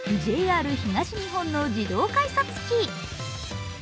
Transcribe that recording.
ＪＲ東日本の自動改札機。